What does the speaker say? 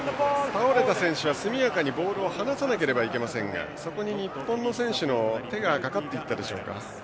倒れた選手は速やかにボールを離さなければいけませんがそこに日本の選手の手がかかっていったでしょうか。